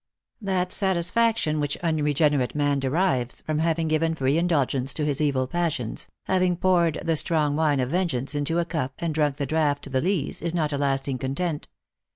That satisfaction which unregenerate man derives from having given free indulgence to his evil passions, having poured the strong wine of vengeance into a cup and drunk the draught to the lees, is not a lasting content.